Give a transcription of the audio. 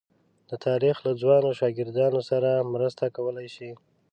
د تاریخ له ځوانو شاګردانو سره مرسته کولای شي.